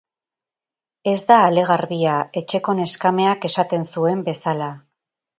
Ez da ale garbia, etxeko neskameak esaten zuen bezala.